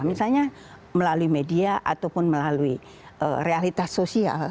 misalnya melalui media ataupun melalui realitas sosial